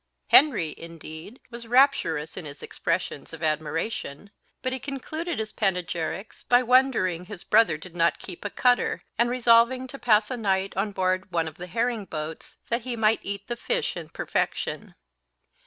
Henry, indeed, was rapturous in his expressions of admiration; but he concluded his panegyrics by wondering his brother did not keep a cutter, and resolving to pass a night on board one of the herring boats, that he might eat the fish in perfection.